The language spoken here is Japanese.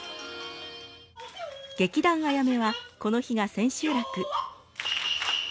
劇団あやめはこの日が千秋楽。